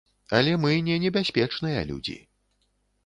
Але мы не небяспечныя людзі.